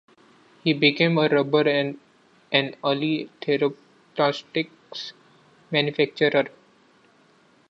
He became a rubber and an early thermoplastics manufacturer.